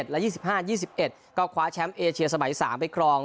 และ๒๕๒๑ก็คว้าแชมป์เอเชียสมัย๓ไปครอง